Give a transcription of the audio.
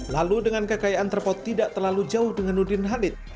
lalu dengan kekayaan terpot tidak terlalu jauh dengan nurdin halid